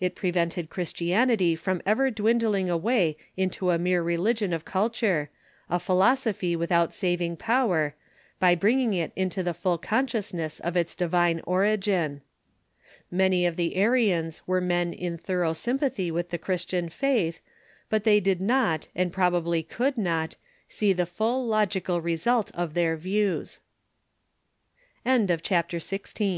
It prevented Chris tianity from ever dwindling away into a mere religion of culture, a philosophy without saving power, by bringing it into the full consciousness of its divine origin. Many of the Arians were men in thorough S3^mpathy with the Christian faith, but they did not, and probably could not, see the full logical result of their views. TUE LATER CONTEOVEK